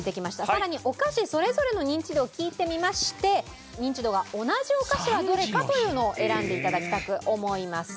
さらにお菓子それぞれのニンチドを聞いてみましてニンチドが同じお菓子はどれかというのを選んで頂きたく思います。